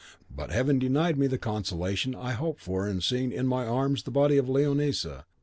But Heaven denied me the consolation I hoped for in seeing in my arms the body of Leonisa.